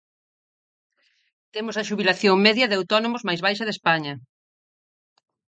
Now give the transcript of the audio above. Temos a xubilación media de autónomos máis baixa de España.